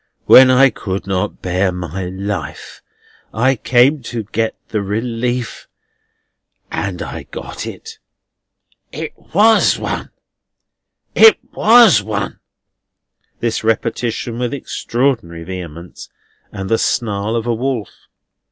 When I could not bear my life, I came to get the relief, and I got it. It WAS one! It WAS one!" This repetition with extraordinary vehemence, and the snarl of a wolf.